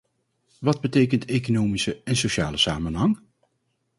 Wat betekent economische en sociale samenhang?